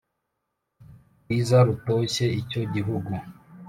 rwiza rutoshye j Icyo gihugu